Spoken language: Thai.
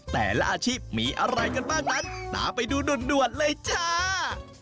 แต่ละอาชีพมีอะไรกันบ้างนั้นตามไปดูด่วนเลยจ้า